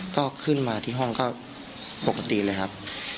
ก็ขึ้นมาที่ห้องก็ปกติเลยครับ